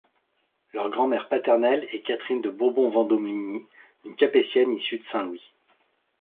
Leur grand-mère paternelle est Catherine de Bourbon-Vendôme-Ligny, une capétienne issue de Saint Louis.